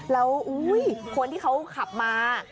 แล้วคนที่เขาขับมา